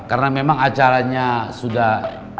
karena memang acaranya sudah